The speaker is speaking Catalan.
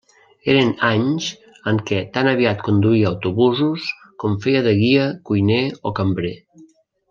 Eren anys en què tan aviat conduïa autobusos, com feia de guia, cuiner o cambrer.